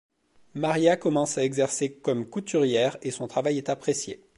María commence à exercer comme couturière et son travail est apprécié.